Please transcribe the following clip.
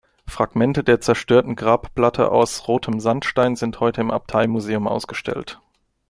Fragmente der zerstörten Grabplatte aus rotem Sandstein sind heute im Abtei-Museum ausgestellt.